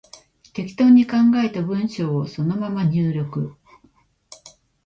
適当に考えた文章をそのまま入力